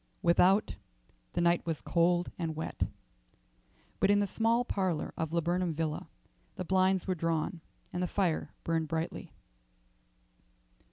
Without, the night was cold and wet, but in the small parlour of Laburnam Villa the blinds were drawn and the fire burned brightly.